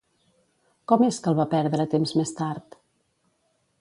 Com és que el va perdre temps més tard?